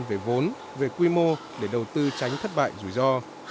về vốn về quy mô để đầu tư tránh thất bại rủi ro